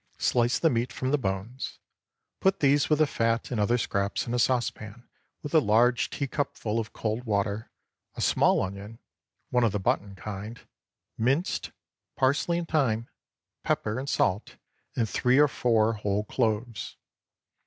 Slice the meat from the bones. Put these with the fat and other scraps in a saucepan, with a large teacupful of cold water, a small onion—one of the button kind, minced, parsley and thyme, pepper and salt, and three or four whole cloves.